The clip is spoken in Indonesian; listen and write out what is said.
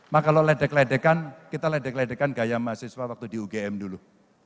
maka kalau ledek ledekan kita ledek ledekan gaya mahasiswa waktu di ugm dulu